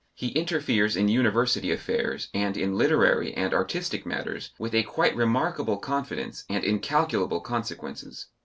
He interferes in university affairs and in literary and artistic matters with a quite remarkable confidence and incalculable consequences.